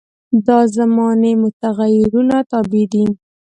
دا زماني متغیرونو تابع دي.